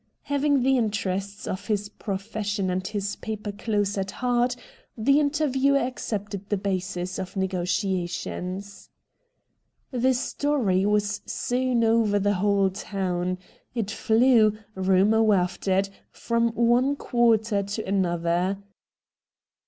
Having the interests of his profession and his paper close at heart the interviewer accepted the basis of negotiations. The story was soon over the whole town. It flew, rumour wafted, from one quarter to another.